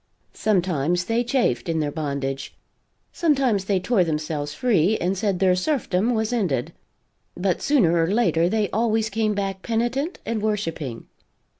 Sometimes they chafed in their bondage; sometimes they tore themselves free and said their serfdom was ended; but sooner or later they always came back penitent and worshiping.